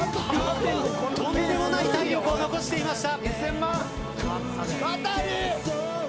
とんでもない体力を残していました。